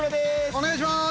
◆お願いしまーす！